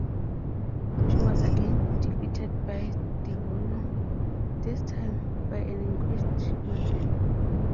She was again defeated by DiNovo, this time by an increased margin.